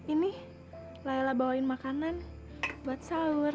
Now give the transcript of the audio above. ini lala bawain makanan buat sahur